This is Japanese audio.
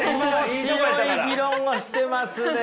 面白い議論をしてますね。